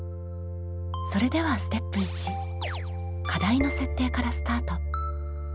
それではステップ１課題の設定からスタート。